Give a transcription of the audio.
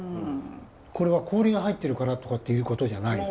これは氷が入ってるからとかっていうことじゃないの？